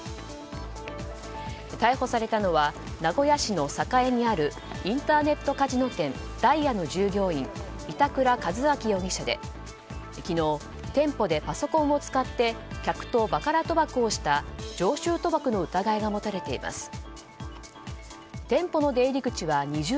逮捕されたのは名古屋市の栄にあるインターネットカジノ店ダイヤの従業員板倉和昭容疑者で昨日、店舗でパソコンを使って客とバカラ賭博をした常習賭博の疑いが持たれています。